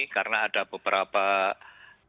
karena ada beberapa komitmen kontraknya